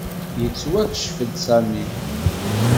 Yettwakcef-d Sami.